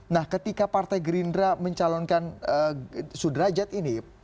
nah ketika partai gerindra mencalonkan sudrajat ini